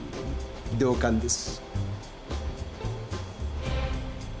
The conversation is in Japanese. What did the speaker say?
同感です。